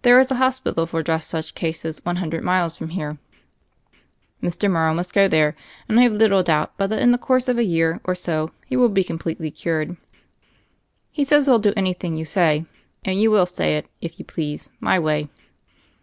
There is a hospital for just such cases one hundred miles from here. Mr. Mor row must go there, and I have little doubt but that in the course of a year or so he will be com pletely cured. He says he'll do anything you say; and you will say it, if you please, my way.